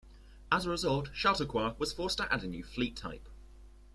As a result, Chautauqua was forced to add a new fleet type.